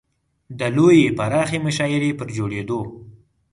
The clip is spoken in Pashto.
د لویې پراخې مشاعرې پر جوړېدو.